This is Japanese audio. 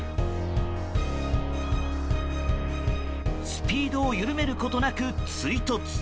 スピードを緩めることなく追突。